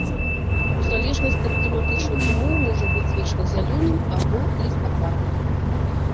У залежнасці ад кліматычных умоў можа быць вечназялёным або лістападным.